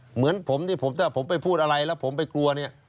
เหมือนผมที่ผมถ้าผมไปพูดอะไรแล้วผมไปกลัวเนี่ย